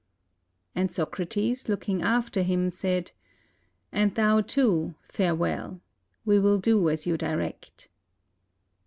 And Socrates, looking after him, said, "And thou, too, farewell; we will do as you direct."